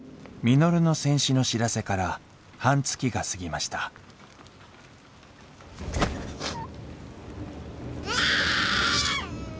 稔の戦死の知らせから半月が過ぎましたうっ。